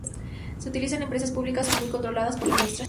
Se utiliza en empresas públicas o muy controladas por la administración.